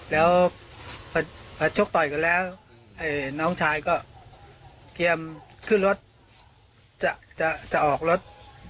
แล้วพอชกต่อยกันแล้วน้องชายก็เตรียมขึ้นรถจะออกรถ